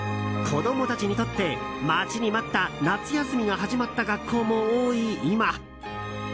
子供たちにとって待ちに待った夏休みが始まった学校も多い今。